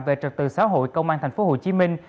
về trật tự xã hội công an thành phố hồ chí minh